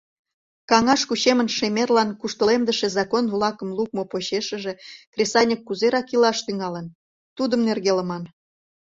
Каҥаш кучемын шемерлан куштылемдыше закон-влакым лукмо почешыже кресаньык кузерак илаш тӱҥалын, тудым нергелыман.